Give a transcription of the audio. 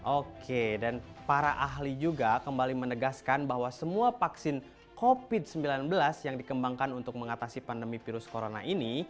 oke dan para ahli juga kembali menegaskan bahwa semua vaksin covid sembilan belas yang dikembangkan untuk mengatasi pandemi virus corona ini